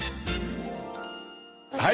はい！